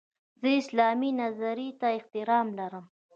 زه اسلامي نظرې ته احترام لرم.